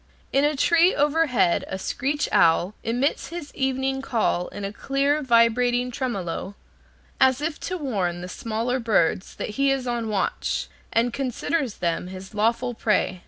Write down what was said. In a tree overhead a screech owl emits his evening call in a clear, vibrating tremolo, as if to warn the smaller birds that he is on watch, and considers them his lawful prey.